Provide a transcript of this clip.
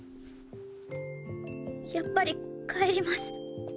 やっぱり帰ります。